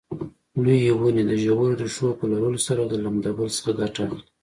لویې ونې د ژورو ریښو په لرلو سره د لمدبل څخه ګټه اخلي.